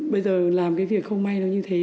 bây giờ làm cái việc không may nó như thế